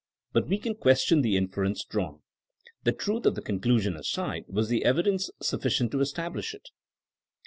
But we can question the inference drawn. The truth of the conclusion aside, was the evidence suflScient to establish it?